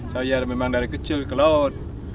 saya memang dari kecil ke laut